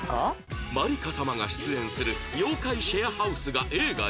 まりか様が出演する『妖怪シェアハウス』が映画に